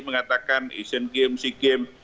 mengatakan isin game si game